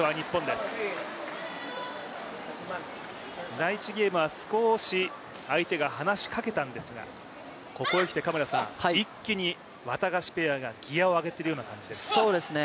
第１ゲームは少し相手が離しかけたんですが、ここへきて一気にワタガシペアがギアを上げている感じですね。